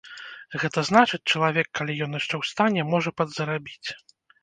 Гэта значыць, чалавек, калі ён яшчэ ў стане, можа падзарабіць.